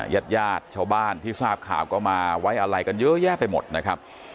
ญาติญาติชาวบ้านที่ทราบข่าวก็มาไว้อะไรกันเยอะแยะไปหมดนะครับ